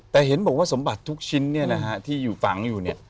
บอกว่าสมบัติทุกชิ้นที่ฟังอยู่